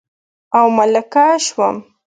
او ملکه شوم